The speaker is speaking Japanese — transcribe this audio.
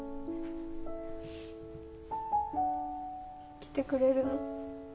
来てくれるの？